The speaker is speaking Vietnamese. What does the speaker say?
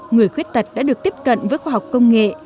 người khuyết tật đã được tiếp cận với khoa học công nghệ